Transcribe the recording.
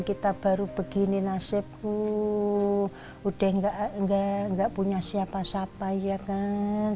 kita baru begini nasibku udah gak punya siapa siapa ya kan